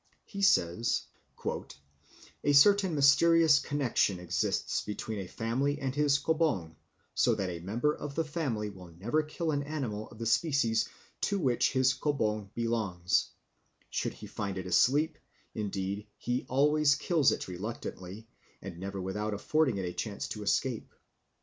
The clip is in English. He says: "A certain mysterious connexion exists between a family and its kobong, so that a member of the family will never kill an animal of the species to which his kobong belongs, should he find it asleep; indeed he always kills it reluctantly, and never without affording it a chance to escape.